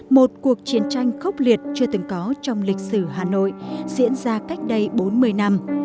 một cuộc chiến tranh khốc liệt chưa từng có trong lịch sử hà nội diễn ra cách đây bốn mươi năm